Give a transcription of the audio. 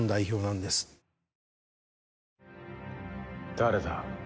誰だ？